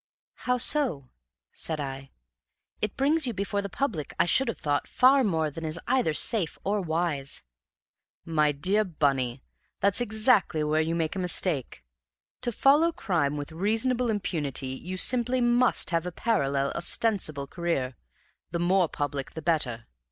"How so?" said I. "It brings you before the public, I should have thought, far more than is either safe or wise." "My dear Bunny, that's exactly where you make a mistake. To follow Crime with reasonable impunity you simply MUST have a parallel, ostensible career the more public the better.